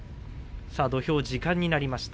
土俵は時間になりました。